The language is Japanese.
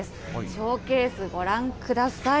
ショーケースご覧ください。